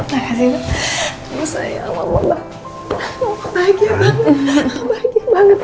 aku bahagia banget